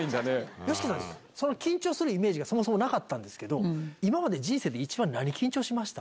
ＹＯＳＨＩＫＩさん、緊張するイメージがそもそもなかったんですけど、今まで人生で一番、何に緊張しました？